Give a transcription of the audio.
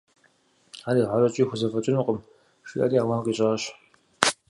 Ар игъащӏэкӏи хузэфӏэкӏынукъым, – жиӏэри ауан къищӏащ.